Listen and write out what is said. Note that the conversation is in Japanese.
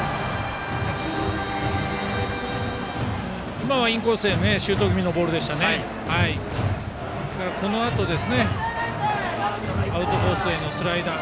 今のはインコースへシュート気味のボールでしたがこのあとですねアウトコースへのスライダー。